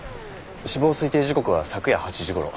死亡推定時刻は昨夜８時頃。